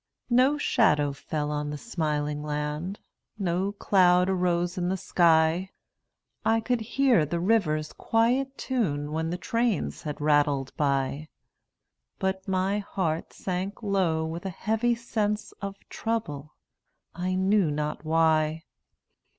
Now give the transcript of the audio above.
No shadow fell on the smiling land, No cloud arose in the sky; I could hear the river's quiet tune When the trains had rattled by; But my heart sank low with a heavy sense Of trouble, I knew not why.